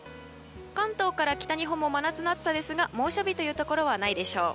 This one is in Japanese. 関東から北日本も真夏の暑さですが猛暑日というところはないでしょう。